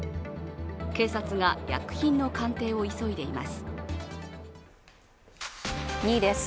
警察が薬品の鑑定を急いでいます。